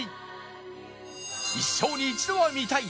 一生に一度は見たい！